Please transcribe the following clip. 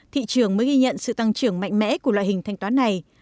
thị trường mới ghi nhận sự tăng trưởng mạnh mẽ của loại hình thanh toán này